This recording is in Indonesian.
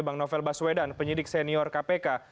bang novel baswedan penyidik senior kpk